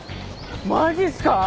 マジっすか？